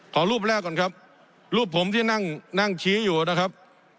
ขอรูปแรกก่อนครับรูปผมที่นั่งนั่งชี้อยู่นะครับ